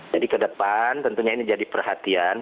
jadi ke depan tentunya ini jadi perhatian